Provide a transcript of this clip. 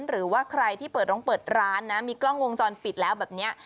หรือว่าใครที่เปิดร้องเปิดร้านนะมีกล้องวงจรปิดแล้วแบบนี้